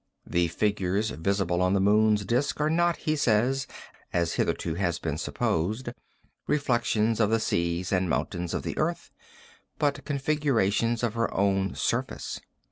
The figures visible on the moon's disc are not, he says, as hitherto has been supposed, reflections of the seas and mountains of the earth, but configurations of her own surface.